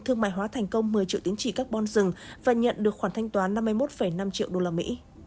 thương mại hóa thành công một mươi triệu tín trị carbon rừng và nhận được khoản thanh toán năm mươi một năm triệu usd